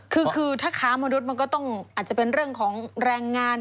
คือถ้าค้ามนุษย์มันก็ต้องอาจจะเป็นเรื่องของแรงงาน